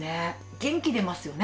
元気出ますよね。